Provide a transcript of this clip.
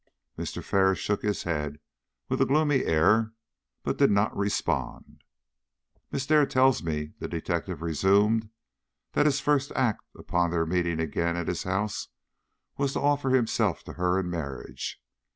Mr. Ferris shook his head with a gloomy air, but did not respond. "Miss Dare tells me," the detective resumed, "that his first act upon their meeting again at his house was to offer himself to her in marriage.